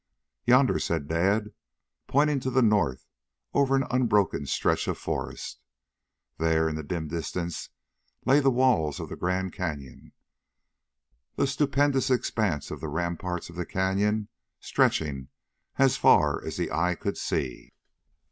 "Yonder," said Dad, pointing to the north over an unbroken stretch of forest. There in the dim distance lay the walls of the Grand Canyon, the stupendous expanse of the ramparts of the Canyon stretching as far as the eye could see.